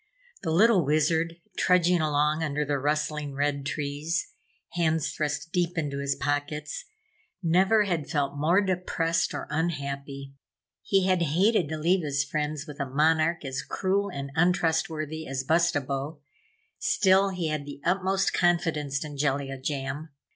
The little Wizard, trudging along under the rustling red trees, hands thrust deep into his pockets, never had felt more depressed or unhappy. He had hated to leave his friends with a Monarch as cruel and untrustworthy as Bustabo. Still, he had the utmost confidence in Jellia Jam.